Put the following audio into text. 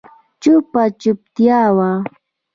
چوپه چوپتيا وه.